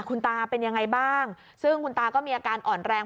คุณตาเป็นยังไงบ้างซึ่งคุณตาก็มีอาการอ่อนแรง